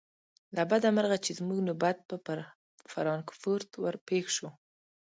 له بده مرغه چې زموږ نوبت پر فرانکفورت ور پیښ شو.